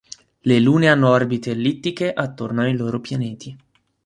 Le lune hanno orbite ellittiche attorno ai loro pianeti.